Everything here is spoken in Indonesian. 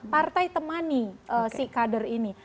partai temani si kader ini